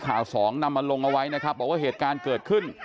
สองนำมาลงเอาไว้นะครับบอกว่าเหตุการณ์เกิดขึ้น